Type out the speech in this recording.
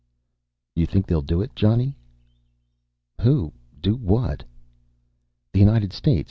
"You think they'll do it, Johnny?" "Who do what?" "The United States.